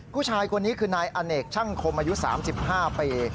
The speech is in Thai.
ผู้ชายคนนี้คือนายอเนกช่างคมอายุ๓๕ปี